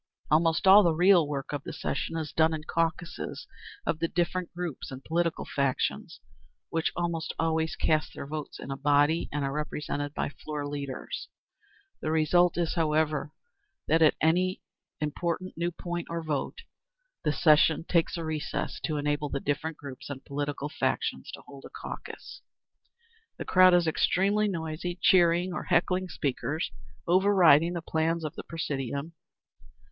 Almost all the real work of the session is done in caucuses of the different groups and political factions, which almost always cast their votes in a body and are represented by floor leaders. The result is, however, that at every important new point, or vote, the session takes a recess to enable the different groups and political factions to hold a caucus. The crowd is extremely noisy, cheering or heckling speakers, over riding the plans of the _presidium.